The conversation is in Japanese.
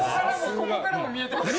ここからも見えてました。